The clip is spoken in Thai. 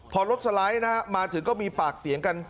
พอรถสไลด์มาถึงก็มีปากเสียงกัน